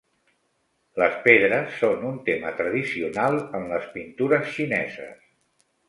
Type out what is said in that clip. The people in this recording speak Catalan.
Les pedres són un tema tradicional en les pintures xineses.